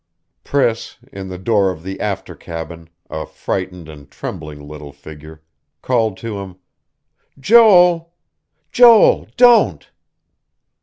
Priss, in the door of the after cabin, a frightened and trembling little figure, called to him: "Joel. Joel. Don't...."